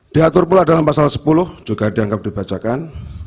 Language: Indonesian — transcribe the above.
diatur pula dalam pasal sepuluh juga dianggap dibacakan